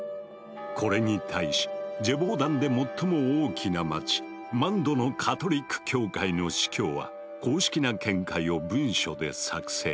これに対しジェヴォーダンで最も大きな街マンドのカトリック教会の司教は公式な見解を文書で作成。